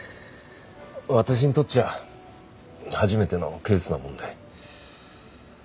私にとっちゃ初めてのケースなもんで。